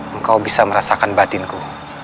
engkau bisa merasakan batinku